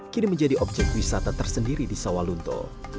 kini menjadi objek wisata tersendiri di sawah lunto